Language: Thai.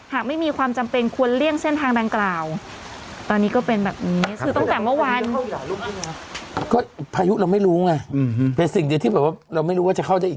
หากไม่มีความจำเป็นควรเลี่ยงเส้นทางดังกล่าวตอนนี้ก็เป็นแบบนี้